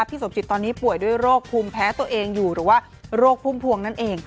สมจิตตอนนี้ป่วยด้วยโรคภูมิแพ้ตัวเองอยู่หรือว่าโรคพุ่มพวงนั่นเอง